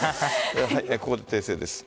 ここで訂正です。